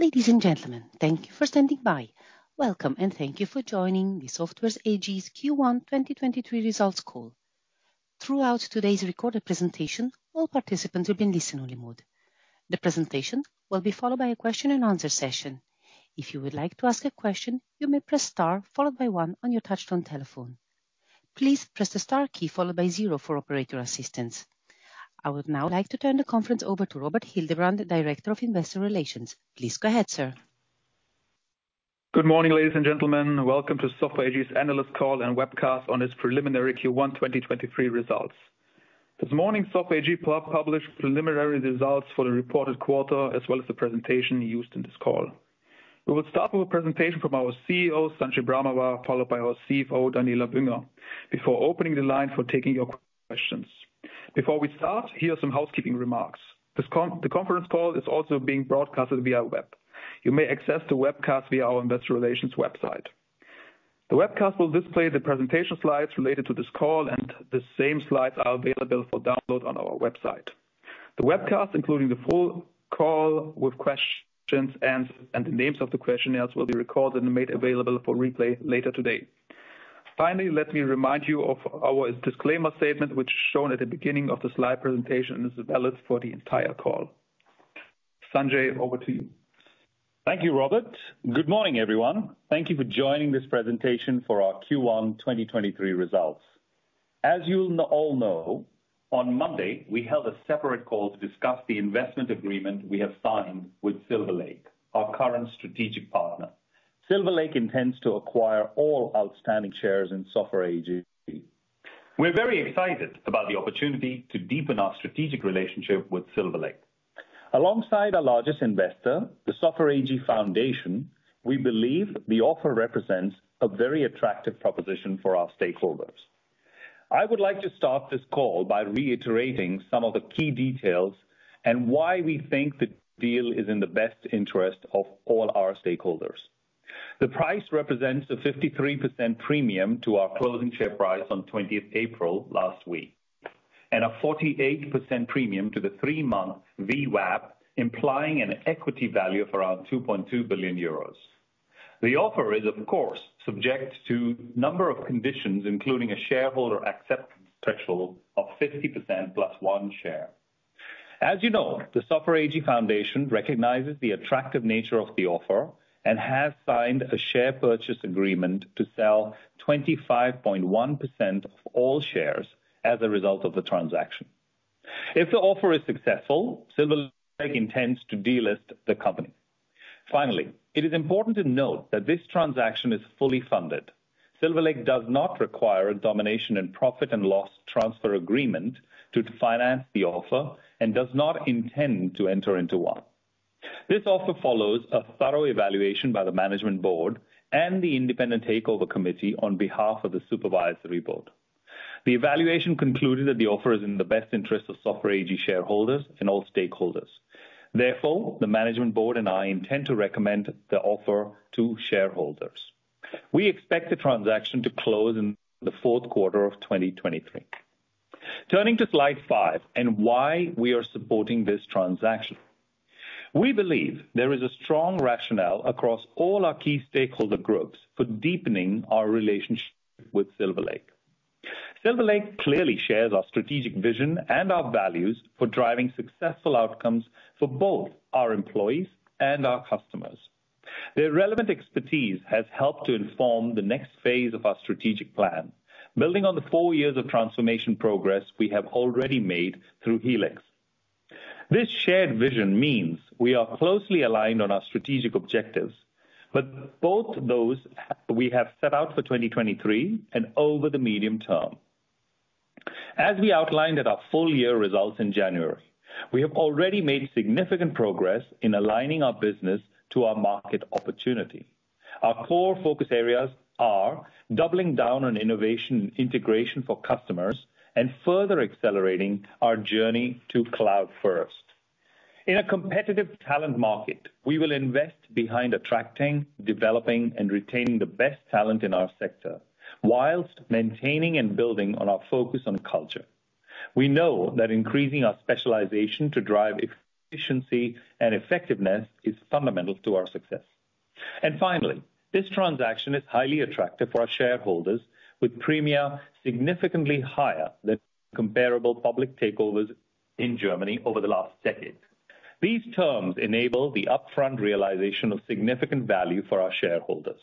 Ladies and gentlemen, thank you for standing by. Welcome, and thank you for joining the Software AG's Q1 2023 results call. Throughout today's recorded presentation, all participants will be in listen-only mode. The presentation will be followed by a question-and-answer session. If you would like to ask a question, you may press star followed by one on your touch-tone telephone. Please press the star key followed by zero for operator assistance. I would now like to turn the conference over to Robert Hildebrandt, the Director of Investor Relations. Please go ahead, sir. Good morning, ladies and gentlemen. Welcome to Software AG's analyst call and webcast on its preliminary Q1 2023 results. This morning, Software AG published preliminary results for the reported quarter, as well as the presentation used in this call. We will start with a presentation from our CEO, Sanjay Brahmawar, followed by our CFO, Daniela Bünger, before opening the line for taking your questions. Before we start, here are some housekeeping remarks. The conference call is also being broadcasted via web. You may access the webcast via our investor relations website. The webcast will display the presentation slides related to this call, the same slides are available for download on our website. The webcast, including the full call with questions and the names of the questioners will be recorded and made available for replay later today. Finally, let me remind you of our disclaimer statement which is shown at the beginning of the slide presentation. This is valid for the entire call. Sanjay, over to you. Thank you, Robert. Good morning, everyone. Thank you for joining this presentation for our Q1 2023 results. As you all know, on Monday, we held a separate call to discuss the investment agreement we have signed with Silver Lake, our current strategic partner. Silver Lake intends to acquire all outstanding shares in Software AG. We're very excited about the opportunity to deepen our strategic relationship with Silver Lake. Alongside our largest investor, the Software AG Foundation, we believe the offer represents a very attractive proposition for our stakeholders. I would like to start this call by reiterating some of the key details and why we think the deal is in the best interest of all our stakeholders. The price represents a 53% premium to our closing share price on 20th April last week, and a 48% premium to the three-month VWAP, implying an equity value of around 2.2 billion euros. The offer is, of course, subject to number of conditions, including a shareholder acceptance threshold of 50% +1 share. As you know, the Software AG Foundation recognizes the attractive nature of the offer and has signed a share purchase agreement to sell 25.1% of all shares as a result of the transaction. If the offer is successful, Silver Lake intends to delist the company. Finally, it is important to note that this transaction is fully funded. Silver Lake does not require a domination and profit and loss transfer agreement to finance the offer and does not intend to enter into one. This offer follows a thorough evaluation by the management board and the independent takeover committee on behalf of the supervisory board. The evaluation concluded that the offer is in the best interest of Software AG shareholders and all stakeholders. Therefore, the management board and I intend to recommend the offer to shareholders. We expect the transaction to close in the fourth quarter of 2023. Turning to slide five and why we are supporting this transaction. We believe there is a strong rationale across all our key stakeholder groups for deepening our relationship with Silver Lake. Silver Lake clearly shares our strategic vision and our values for driving successful outcomes for both our employees and our customers. Their relevant expertise has helped to inform the next phase of our strategic plan, building on the four years of transformation progress we have already made through Helix. This shared vision means we are closely aligned on our strategic objectives, but both those we have set out for 2023 and over the medium term. As we outlined at our full year results in January, we have already made significant progress in aligning our business to our market opportunity. Our core focus areas are doubling down on innovation and integration for customers and further accelerating our journey to cloud first. In a competitive talent market, we will invest behind attracting, developing, and retaining the best talent in our sector whilst maintaining and building on our focus on culture. We know that increasing our specialization to drive efficiency and effectiveness is fundamental to our success. Finally, this transaction is highly attractive for our shareholders with Premier significantly higher than comparable public takeovers in Germany over the last decade. These terms enable the upfront realization of significant value for our shareholders.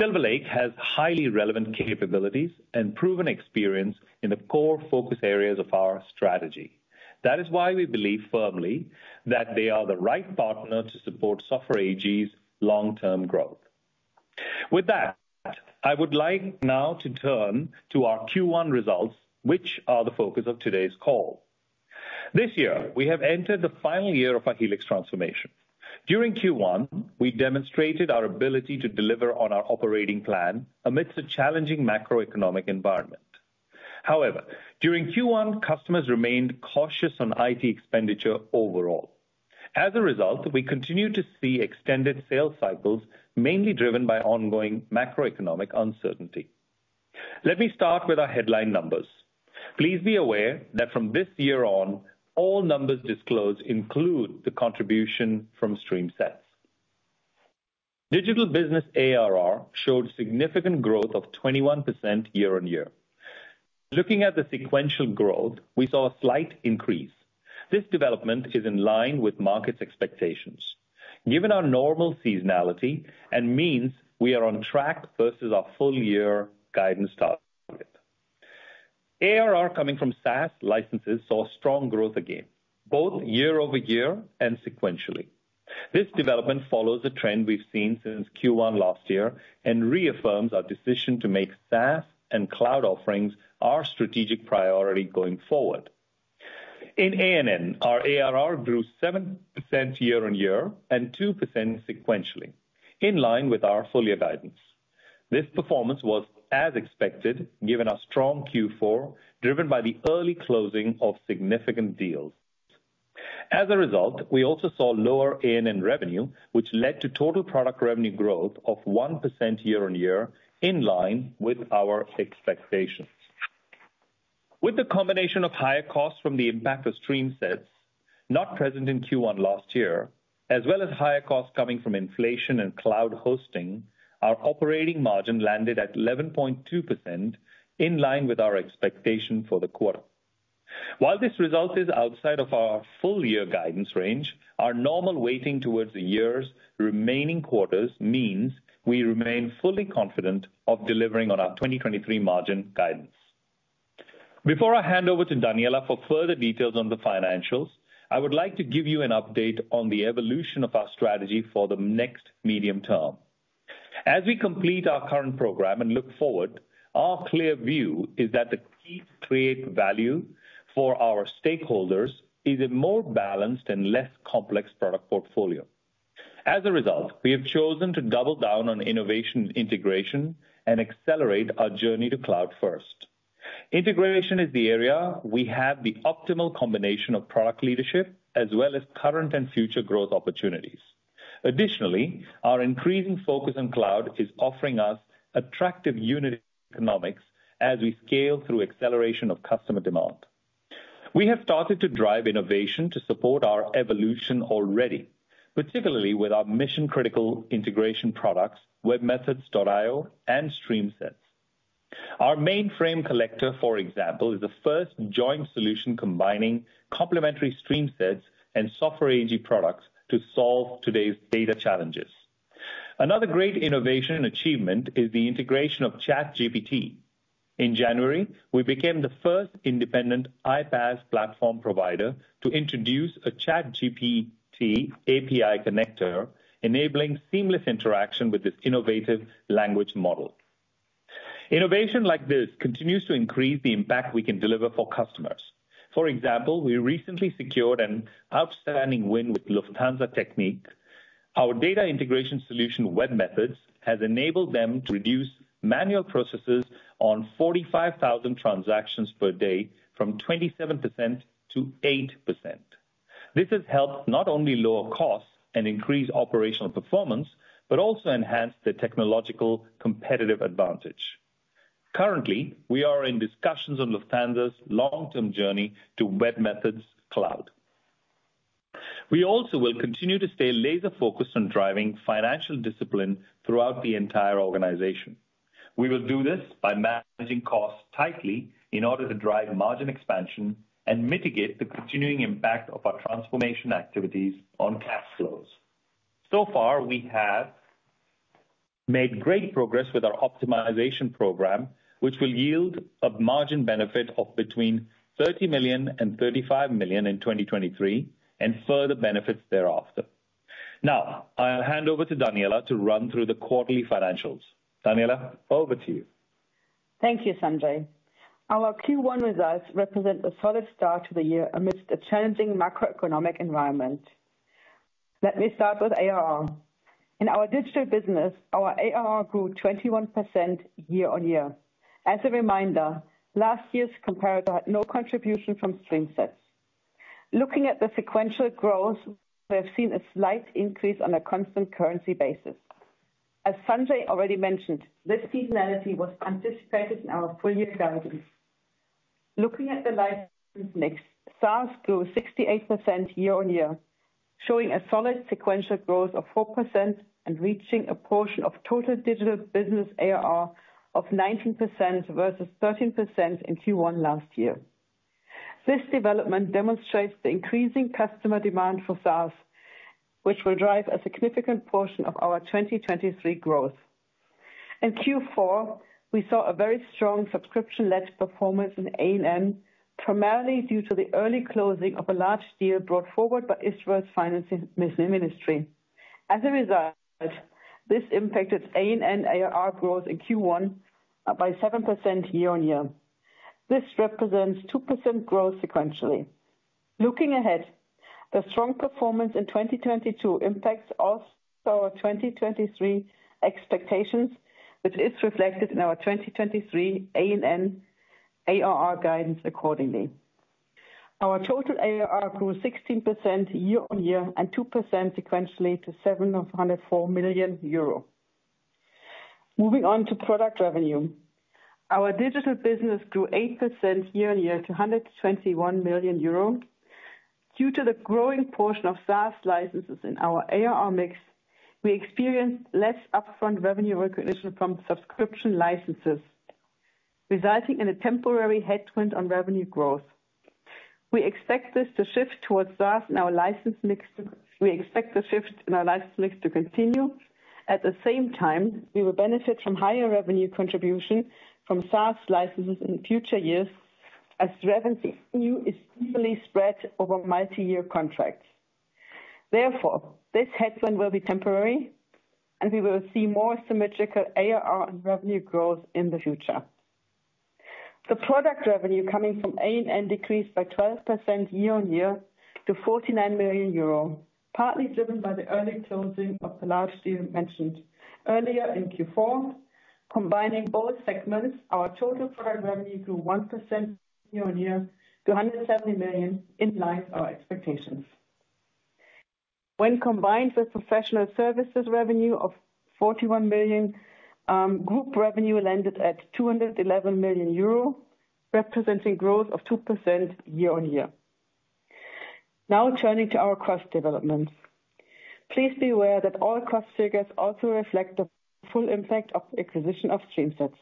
Silver Lake has highly relevant capabilities and proven experience in the core focus areas of our strategy. That is why we believe firmly that they are the right partner to support Software AG's long-term growth. With that, I would like now to turn to our Q1 results, which are the focus of today's call. This year, we have entered the final year of our Helix transformation. During Q1, we demonstrated our ability to deliver on our operating plan amidst a challenging macroeconomic environment. However, during Q1, customers remained cautious on IT expenditure overall. As a result, we continue to see extended sales cycles, mainly driven by ongoing macroeconomic uncertainty. Let me start with our headline numbers. Please be aware that from this year on, all numbers disclosed include the contribution from StreamSets. Digital business ARR showed significant growth of 21% year-on-year. Looking at the sequential growth, we saw a slight increase. This development is in line with market's expectations given our normal seasonality, and means we are on track versus our full year guidance target. ARR coming from SaaS licenses saw strong growth again, both year-over-year and sequentially. This development follows a trend we've seen since Q1 last year and reaffirms our decision to make SaaS and cloud offerings our strategic priority going forward. In A&N, our ARR grew 7% year-on-year and 2% sequentially, in line with our full year guidance. This performance was as expected, given our strong Q4, driven by the early closing of significant deals. We also saw lower A&N revenue, which led to total product revenue growth of 1% year-on-year, in line with our expectations. With the combination of higher costs from the impact of StreamSets not present in Q1 last year, as well as higher costs coming from inflation and cloud hosting, our operating margin landed at 11.2%, in line with our expectation for the quarter. While this result is outside of our full year guidance range, our normal weighting towards the year's remaining quarters means we remain fully confident of delivering on our 2023 margin guidance. Before I hand over to Daniela for further details on the financials, I would like to give you an update on the evolution of our strategy for the next medium term. As we complete our current program and look forward, our clear view is that the key to create value for our stakeholders is a more balanced and less complex product portfolio. As a result, we have chosen to double down on innovation integration and accelerate our journey to cloud first. Integration is the area we have the optimal combination of product leadership as well as current and future growth opportunities. Additionally, our increasing focus on cloud is offering us attractive unit economics as we scale through acceleration of customer demand. We have started to drive innovation to support our evolution already, particularly with our mission-critical integration products, webMethods.io and StreamSets. Our mainframe collector, for example, is the first joint solution combining complementary StreamSets and Software AG products to solve today's data challenges. Another great innovation and achievement is the integration of ChatGPT. In January, we became the first independent iPaaS platform provider to introduce a ChatGPT API connector, enabling seamless interaction with this innovative language model. Innovation like this continues to increase the impact we can deliver for customers. For example, we recently secured an outstanding win with Lufthansa Technik. Our data integration solution webMethods has enabled them to reduce manual processes on 45,000 transactions per day from 27% to 8%. This has helped not only lower costs and increase operational performance, but also enhance their technological competitive advantage. Currently, we are in discussions on Lufthansa's long-term journey to webMethods cloud. We also will continue to stay laser-focused on driving financial discipline throughout the entire organization. We will do this by managing costs tightly in order to drive margin expansion and mitigate the continuing impact of our transformation activities on cash flows. So far, we have made great progress with our optimization program, which will yield a margin benefit of between 30 million and 35 million in 2023, and further benefits thereafter. I'll hand over to Daniela to run through the quarterly financials. Daniela, over to you. Thank you, Sanjay. Our Q1 results represent a solid start to the year amidst a challenging macroeconomic environment. Let me start with ARR. In our digital business, our ARR grew 21% year-on-year. As a reminder, last year's comparator had no contribution from StreamSets. Looking at the sequential growth, we have seen a slight increase on a constant currency basis. As Sanjay already mentioned, this seasonality was anticipated in our full year guidance. Looking at the license mix, SaaS grew 68% year-on-year, showing a solid sequential growth of 4% and reaching a portion of total digital business ARR of 19% versus 13% in Q1 last year. This development demonstrates the increasing customer demand for SaaS, which will drive a significant portion of our 2023 growth. In Q4, we saw a very strong subscription-led performance in A&N, primarily due to the early closing of a large deal brought forward by Israel's Finance Ministry. This impacted A&N ARR growth in Q1 by 7% year-on-year. This represents 2% growth sequentially. Looking ahead, the strong performance in 2022 impacts also our 2023 expectations, which is reflected in our 2023 A&N ARR guidance accordingly. Our total ARR grew 16% year-on-year and 2% sequentially to 704 million euro. Moving on to product revenue. Our digital business grew 8% year-on-year to 121 million euro. Due to the growing portion of SaaS licenses in our ARR mix, we experienced less upfront revenue recognition from subscription licenses, resulting in a temporary headwind on revenue growth. We expect this to shift towards SaaS and our license mix to continue. At the same time, we will benefit from higher revenue contribution from SaaS licenses in future years as revenue is equally spread over multi-year contracts. This headwind will be temporary and we will see more symmetrical ARR and revenue growth in the future. The product revenue coming from A&N decreased by 12% year-on-year to 49 million euro, partly driven by the early closing of the large deal mentioned earlier in Q4. Combining both segments, our total product revenue grew 1% year-on-year to 170 million, in line with our expectations. When combined with professional services revenue of 41 million, group revenue landed at 211 million euro, representing growth of 2% year-on-year. Turning to our cost developments. Please be aware that all cost figures also reflect the full impact of the acquisition of StreamSets.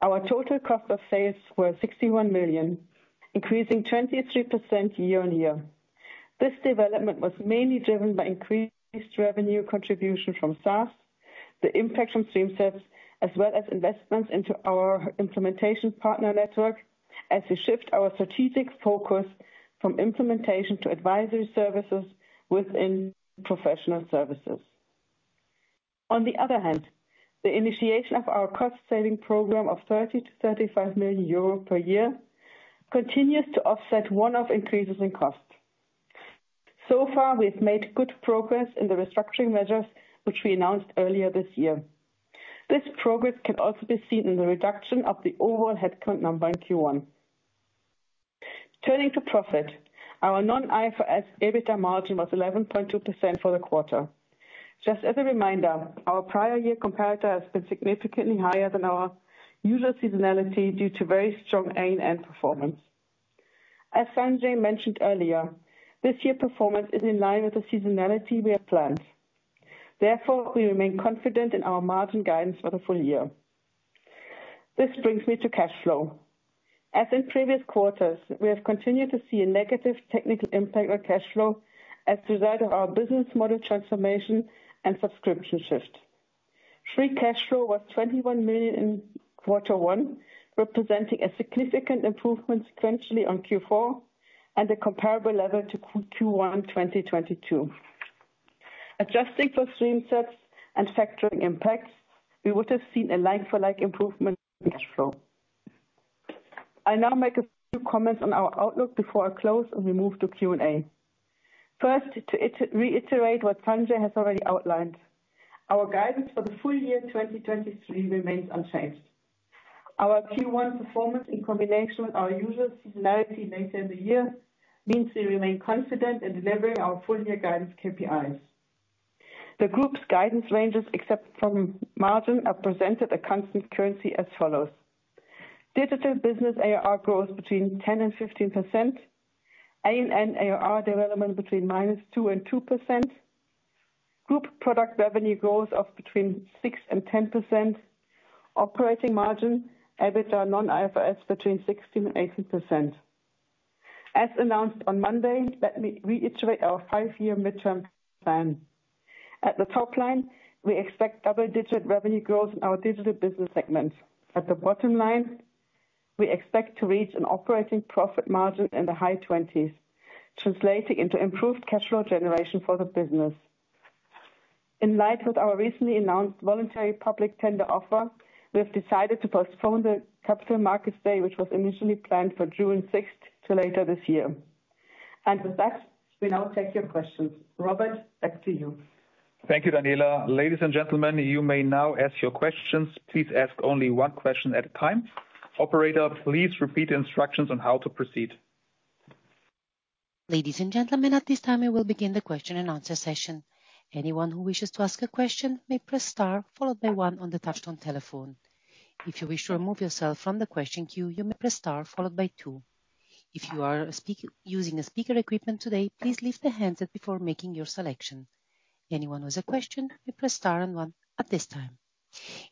Our total cost of sales were 61 million, increasing 23% year-on-year. This development was mainly driven by increased revenue contribution from SaaS, the impact from StreamSets, as well as investments into our implementation partner network as we shift our strategic focus from implementation to advisory services within professional services. The initiation of our cost saving program of 30 million-35 million euro per year continues to offset one-off increases in costs. We have made good progress in the restructuring measures which we announced earlier this year. This progress can also be seen in the reduction of the overall headcount number in Q1. Turning to profit, our non-IFRS EBITDA margin was 11.2% for the quarter. Just as a reminder, our prior year comparator has been significantly higher than our usual seasonality due to very strong A&N performance. As Sanjay mentioned earlier, this year's performance is in line with the seasonality we have planned. We remain confident in our margin guidance for the full year. This brings me to cash flow. As in previous quarters, we have continued to see a negative technical impact on cash flow as a result of our business model transformation and subscription shift. Free cash flow was 21 million in Q1, representing a significant improvement sequentially on Q4 and a comparable level to Q1 in 2022. Adjusting for StreamSets and factoring impacts, we would have seen a like for like improvement in cash flow. I now make a few comments on our outlook before I close and we move to Q&A. First, to reiterate what Sanjay has already outlined, our guidance for the full year 2023 remains unchanged. Our Q1 performance, in combination with our usual seasonality later in the year, means we remain confident in delivering our full year guidance KPIs. The group's guidance ranges, except from margin, are presented at constant currency as follows: Digital business ARR grows between 10% and 15%. A&N ARR development between -2% and 2%. Group product revenue growth of between 6% and 10%. Operating margin EBITDA non-IFRS between 16% and 18%. Announced on Monday, let me reiterate our five-year midterm plan. At the top line, we expect double-digit revenue growth in our digital business segment. At the bottom line, we expect to reach an operating profit margin in the high twenties, translating into improved cash flow generation for the business. In light of our recently announced voluntary public tender offer, we have decided to postpone the capital markets day, which was initially planned for June 6th to later this year. With that, we now take your questions. Robert, back to you. Thank you, Daniela. Ladies and gentlemen, you may now ask your questions. Please ask only one question at a time. Operator, please repeat the instructions on how to proceed. Ladies and gentlemen, at this time, we will begin the question and answer session. Anyone who wishes to ask a question may press star followed by one on the touch-tone telephone. If you wish to remove yourself from the question queue, you may press star followed by two. If you are using speaker equipment today, please lift the handset before making your selection. Anyone who has a question may press star and one at this time.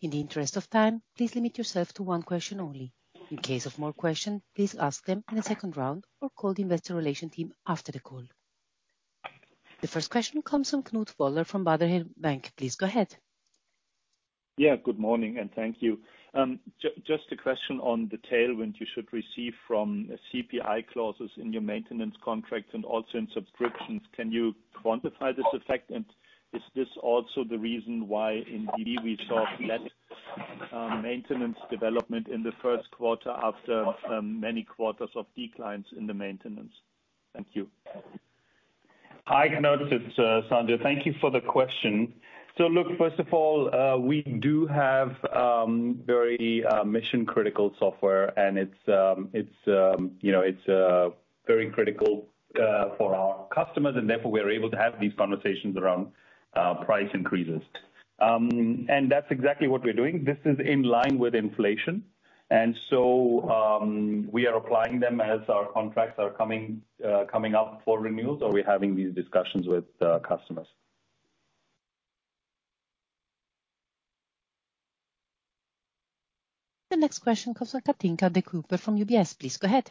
In the interest of time, please limit yourself to one question only. In case of more questions, please ask them in a second round or call the investor relation team after the call. The first question comes from Knut Woller from Baader Bank. Please go ahead. Yeah, good morning and thank you. Just a question on the tailwind you should receive from CPI clauses in your maintenance contracts and also in subscriptions. Can you quantify this effect? Is this also the reason why in DB we saw less maintenance development in the first quarter after many quarters of declines in the maintenance? Thank you. Hi, Knut. It's Sanjay. Thank you for the question. Look, first of all, we do have very mission-critical software and it's, you know, very critical for our customers, and therefore we are able to have these conversations around price increases. That's exactly what we're doing. This is in line with inflation. We are applying them as our contracts are coming up for renewals or we're having these discussions with customers. The next question comes from Kathinka de Kuyper from UBS. Please go ahead.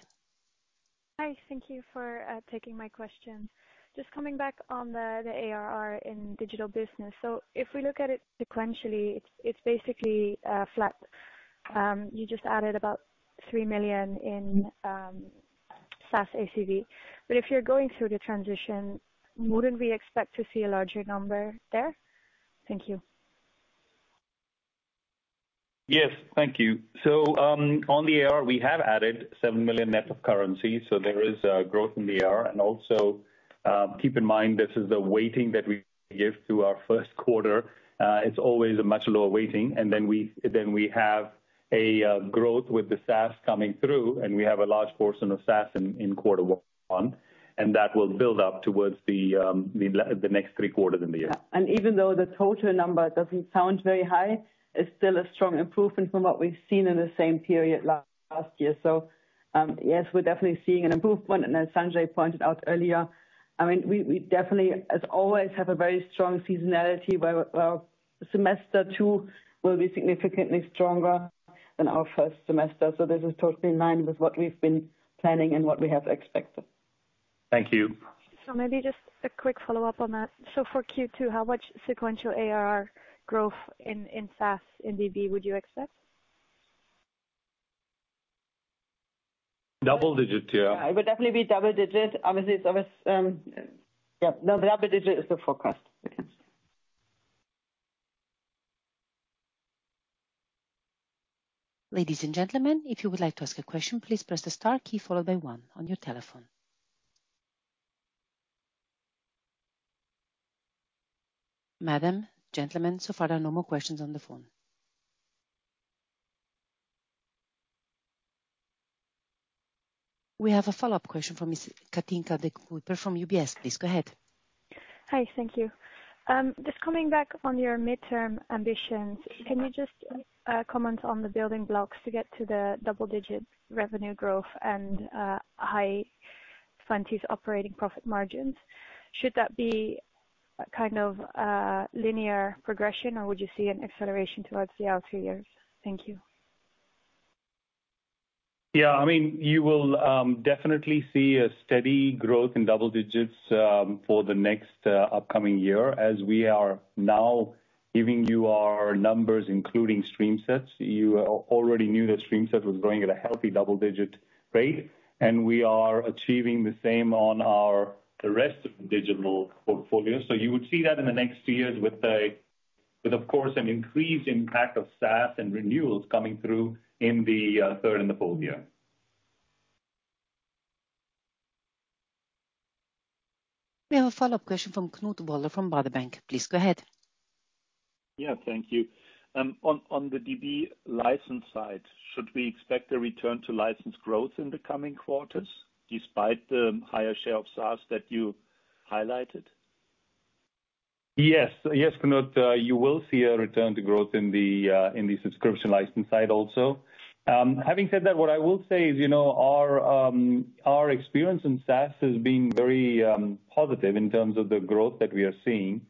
Hi. Thank you for taking my question. Just coming back on the ARR in digital business. If we look at it sequentially, it's basically flat. You just added about 3 million in SaaS ACV. If you're going through the transition, wouldn't we expect to see a larger number there? Thank you. Yes. Thank you. On the ARR we have added 7 million net of currency, so there is growth in the ARR. Also, keep in mind, this is the weighting that we give to our first quarter. It's always a much lower weighting. Then we have a growth with the SaaS coming through, and we have a large portion of SaaS in quarter one, and that will build up towards the next three quarters in the year. Even though the total number doesn't sound very high, it's still a strong improvement from what we've seen in the same period last year. Yes, we're definitely seeing an improvement. As Sanjay pointed out earlier, we definitely as always have a very strong seasonality where semester two will be significantly stronger than our first semester. This is totally in line with what we've been planning and what we have expected. Thank you. Maybe just a quick follow-up on that. For Q2, how much sequential ARR growth in SaaS in DB would you expect? Double digits, yeah. It would definitely be double digits. Yeah. Double digits is the forecast. Ladies and gentlemen, if you would like to ask a question, please press the star key followed by one on your telephone. Madam, gentlemen, so far there are no more questions on the phone. We have a follow-up question from Miss Kathinka de Kuyper from UBS. Please go ahead. Hi. Thank you. Just coming back on your midterm ambitions, can you just comment on the building blocks to get to the double-digit revenue growth and high twenties operating profit margins? Should that be a kind of linear progression, or would you see an acceleration towards the outer years? Thank you. I mean, you will definitely see a steady growth in double digits for the next upcoming year as we are now giving you our numbers, including StreamSets. You already knew that StreamSets was growing at a healthy double-digit rate, and we are achieving the same on our, the rest of the digital portfolio. You would see that in the next two years with, of course, an increased impact of SaaS and renewals coming through in the third and the fourth year. We have a follow-up question from Knut Woller from Baader Bank. Please go ahead. Yeah. Thank you. on the DB license side, should we expect a return to license growth in the coming quarters despite the higher share of SaaS that you highlighted? Yes. Yes, Knut. You will see a return to growth in the subscription license side also. Having said that, what I will say is, you know, our experience in SaaS has been very positive in terms of the growth that we are seeing.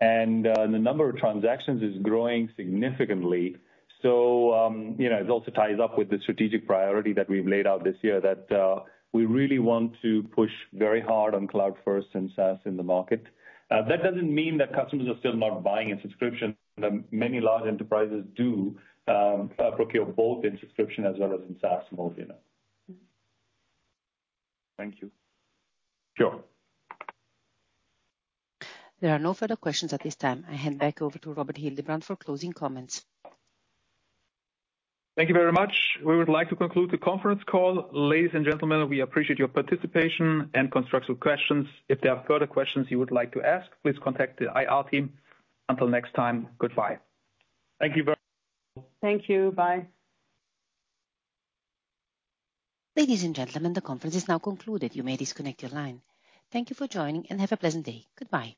The number of transactions is growing significantly. You know, it also ties up with the strategic priority that we've laid out this year that we really want to push very hard on cloud first and SaaS in the market. That doesn't mean that customers are still not buying a subscription. Many large enterprises do procure both in subscription as well as in SaaS mode, you know. Thank you. Sure. There are no further questions at this time. I hand back over to Robert Hildebrandt for closing comments. Thank you very much. We would like to conclude the conference call. Ladies and gentlemen, we appreciate your participation and constructive questions. If there are further questions you would like to ask, please contact the IR team. Until next time, goodbye. Thank you very much. Ladies and gentlemen, the conference is now concluded. You may disconnect your line. Thank you for joining, and have a pleasant day. Goodbye.